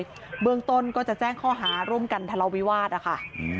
เบื้องต้นก็จะแจ้งข้อหาร่วมกันทะเลาวิวาสนะคะ